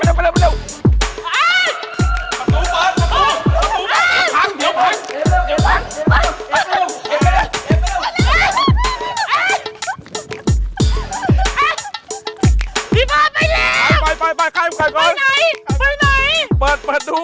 พี่ฟ้าไปแล้วไปไปไปไปไหนไปไหนเปิดเปิดดู